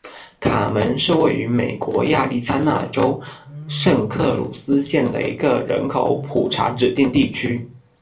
卡门是位于美国亚利桑那州圣克鲁斯县的一个人口普查指定地区。